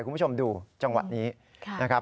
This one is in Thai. คุณผู้ชมดูจังหวะนี้นะครับ